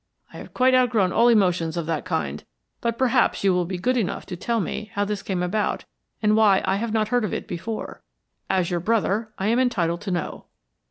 I have quite outgrown all emotions of that kind, but perhaps you will be good enough to tell me how this came about, and why I have not heard it before. As your brother, I am entitled to know."